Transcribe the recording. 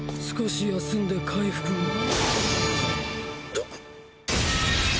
少し休んで回復を。